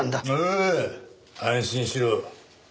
ああ安心しろ。